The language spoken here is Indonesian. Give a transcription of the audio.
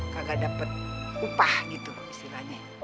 kagak dapat upah gitu istilahnya